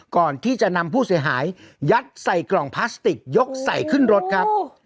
ก่อนที่จะนำผู้เสียหายยัดใส่กล่องพลาสติกยกใส่ขึ้นรถครับ